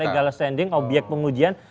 regal standing obyek pengujian